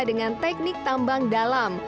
dengan teknik tambang dalam